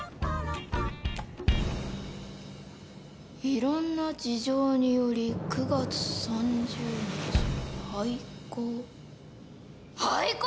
「いろんな事情により９月３０日廃校」廃校！？